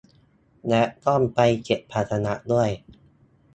และต้องไปเก็บภาชนะด้วย